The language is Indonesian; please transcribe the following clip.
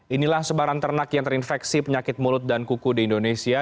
inilah sebaran ternak yang terinfeksi penyakit mulut dan kuku di indonesia